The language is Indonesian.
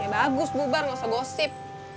bagus bubar nggak usah gosip